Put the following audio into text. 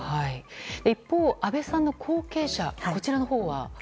一方、安倍さんの後継者のほうは？